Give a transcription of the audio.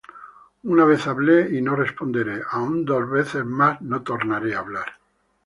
Una vez hablé, y no responderé: Aun dos veces, mas no tornaré á hablar.